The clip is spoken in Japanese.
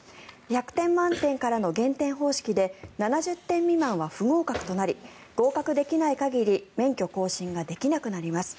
１００点満点からの減点方式で７０点未満は不合格となり合格できない限り免許更新ができなくなります。